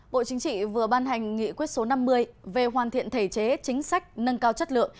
bộ chính trị vừa ban hành nghị quyết số năm mươi về hoàn thiện thể chế chính sách nâng cao chất lượng